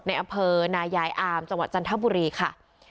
ในอำเภอนายายอามจังหวัดจันทบุรีค่ะ